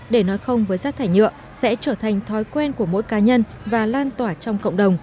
để nói không với rác thải nhựa sẽ trở thành thói quen của mỗi cá nhân và lan tỏa trong cộng đồng